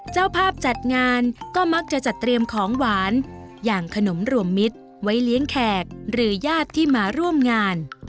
เจ้าภาพจัดงานก็มักจะจัดเตรียมของหวานอย่างขนมรวมมิตรไว้เลี้ยงแขกหรือญาติที่มาร่วมงาน